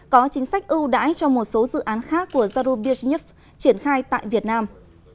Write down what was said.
có chính sách ưu đãi cho một số dự án khác của zarubizhnev triển khai tại việt nam